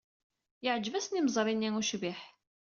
Yeɛjeb-asen yimeẓri-nni ucbiḥ.